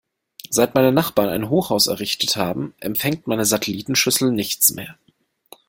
Seit meine Nachbarn ein Hochhaus errichtet haben, empfängt meine Satellitenschüssel nichts mehr.